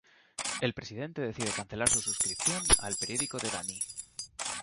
El Presidente decide cancelar su suscripción al periódico de Danny.